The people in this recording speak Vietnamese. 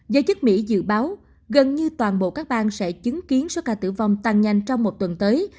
giới chức mỹ dự báo gần như toàn bộ các bang sẽ chứng kiến số ca tử vong tăng nhanh trong một tuần tới